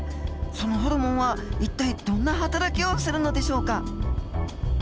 そのホルモンは一体どんなはたらきをするのでしょうか？